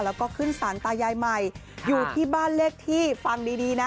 แล้วก็ขึ้นสารตายายใหม่อยู่ที่บ้านเลขที่ฟังดีดีนะ